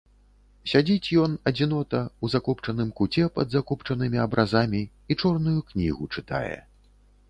Сядзіць ён, адзінота, у закопчаным куце пад закопчанымі абразамі і чорную кнігу чытае.